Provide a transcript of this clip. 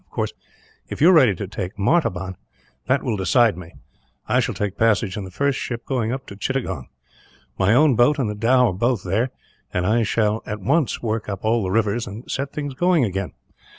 Of course, if you are ready to take Martaban, that will decide me; and I shall take passage in the first ship going up to Chittagong. My own boat and the dhow are both there, and I shall at once work up all the rivers, and set things going again.